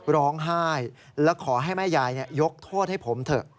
ร้องไห้และขอให้แม่ยายยกโทษให้ผมเถอะ